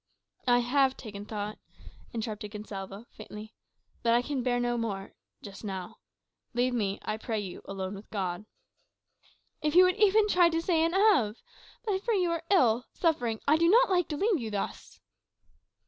"I have taken thought," interrupted Gonsalvo, faintly. "But I can bear no more just now. Leave me, I pray you, alone with God." "If you would even try to say an Ave! But I fear you are ill suffering. I do not like to leave you thus."